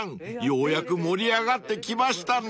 ようやく盛り上がってきましたね］